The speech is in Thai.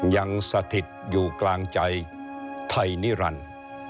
สถิตอยู่กลางใจไทยนิรันดิ์